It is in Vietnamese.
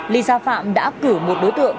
lisa phạm đã cử một đối tượng